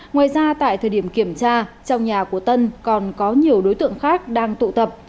ngoài ra tại thời điểm kiểm tra trong nhà của tân còn có nhiều đối tượng khác đang tụ tập